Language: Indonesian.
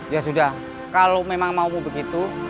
ya sudah kalau memang mau begitu